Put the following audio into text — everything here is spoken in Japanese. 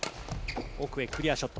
奥へクリアショット。